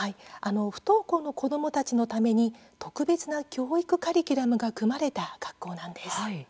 不登校の子どもたちのために特別な教育カリキュラムが組まれた学校なんです。